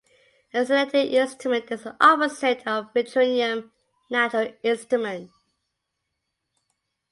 A synthetic instrument is the opposite of the retronym natural instrument.